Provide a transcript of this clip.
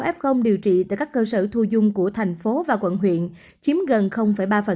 một ba trăm tám mươi sáu f điều trị tại các cơ sở thu dung của thành phố và quận huyện chiếm gần ba